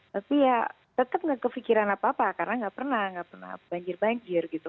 tapi ya tetap nggak kepikiran apa apa karena nggak pernah nggak pernah banjir banjir gitu